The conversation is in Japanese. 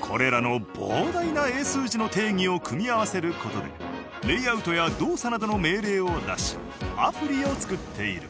これらの膨大な英数字の定義を組み合わせる事でレイアウトや動作などの命令を出しアプリを作っている。